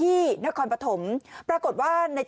มีวีรุ่นสองคนขี่มอเตอร์ไซย้อนสอนมาบอกเฮ้ยข้างในเขาขายอะไรกัน